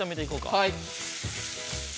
◆はい。